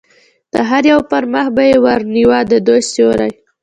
د هر یوه پر مخ به یې ور نیوه، د دوی سیوری.